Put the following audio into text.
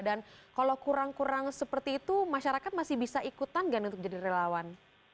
kalau kurang kurang seperti itu masyarakat masih bisa ikutan nggak untuk jadi relawan